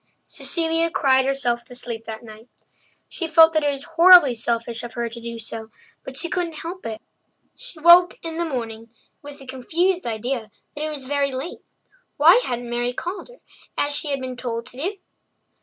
Cecilia cried herself to sleep that night. She felt that it was horribly selfish of her to do so, but she couldn't help it. She awoke in the morning with a confused idea that it was very late. Why hadn't Mary called her, as she had been told to do?